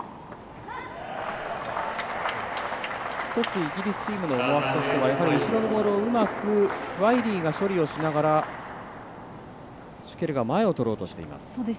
イギリスチームの思惑としては後ろのボールをうまくワイリーが処理しながらシュケルが前をとろうとしています。